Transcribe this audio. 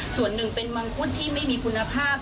ส่วนหนึ่งเป็นมังคุดที่ไม่มีคุณภาพ